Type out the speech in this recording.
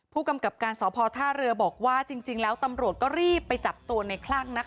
ผู้กำกับการสพท่าเรือบอกว่าจริงแล้วตำรวจก็รีบไปจับตัวในคลั่งนะคะ